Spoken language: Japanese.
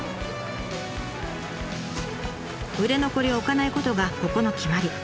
売れ残りを置かないことがここの決まり。